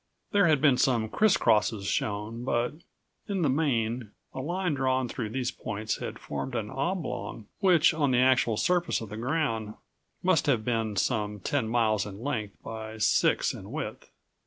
There had been some criss crosses shown but, in the main, a line drawn through these points had formed an oblong which on the actual57 surface of the ground must have been some ten miles in length by six in width.